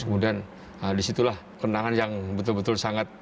kemudian disitulah kenangan yang betul betul sangat